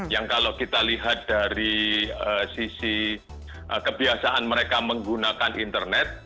yang kalau kita lihat dari sisi kebiasaan mereka menggunakan internet